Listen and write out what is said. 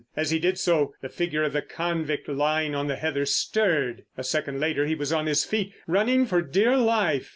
As he did so, the figure of the convict lying on the heather stirred. A second later he was on his feet, running for dear life!